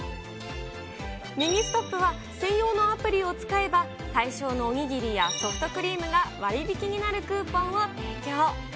ミニストップは専用のアプリを使えば、対象のお握りやソフトクリームが割引になるクーポンを提供。